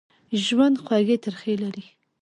ژوند خوږې ترخې لري.